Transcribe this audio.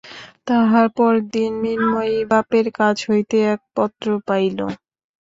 তাহার পরদিন মৃন্ময়ী বাপের কাছ হইতে এক পত্র পাইল।